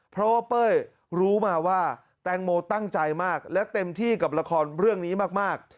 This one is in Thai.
เพราะว่าเป้ยรู้มาว่าแตงโมตั้งใจมากและเต็มที่กับละครเรื่องนี้มาก